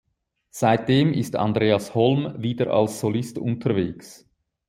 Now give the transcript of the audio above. Seitdem ist Andreas Holm wieder als Solist unterwegs.